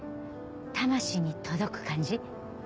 魂に届く感じ。